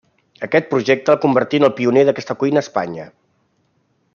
Aquest projecte el convertí en el pioner d'aquesta cuina a Espanya.